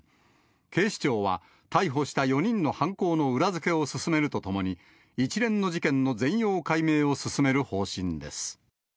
警視庁は逮捕した４人の犯行の裏付けを進めるとともに、一連の事件の全容解明を進める方針です。